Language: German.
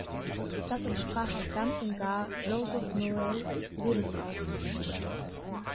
Das entsprach auch ganz und gar Joseph Murrays Lebensauffassung.